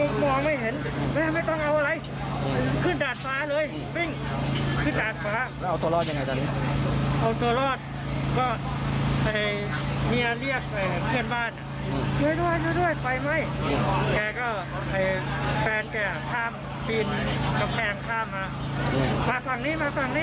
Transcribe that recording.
แกก็ให้แฟนแกท่ามปีนสะแพงท่ามมามาฝั่งนี้มาฝั่งนี้